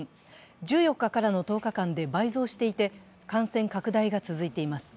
１４日からの１０日間で倍増していて、感染拡大が続いています。